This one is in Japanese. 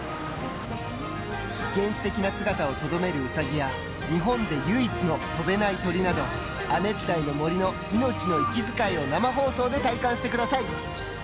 原始的な姿を留めるうさぎや日本で唯一の飛べない鳥など亜熱帯の森の命の息遣いを生放送で体感してください。